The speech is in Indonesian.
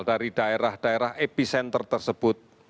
dari daerah daerah epicenter tersebut